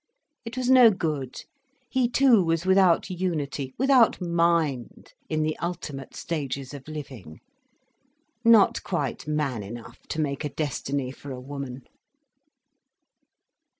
It was no good—he too was without unity, without mind, in the ultimate stages of living; not quite man enough to make a destiny for a woman.